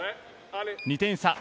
２点差。